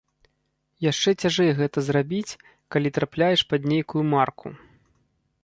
Яшчэ цяжэй гэта зрабіць, калі трапляеш пад нейкую марку.